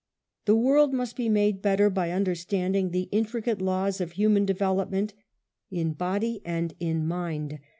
The world must be made better by understanding the intricate laws of human development in body and in mind.